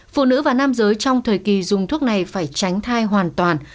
phụ nữ và nam giới trong thời kỳ dùng thuốc này phải tránh thai hoàn toàn